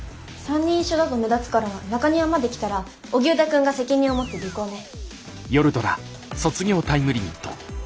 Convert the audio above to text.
３人一緒だと目立つから中庭まで来たら荻生田くんが責任を持って尾行ね。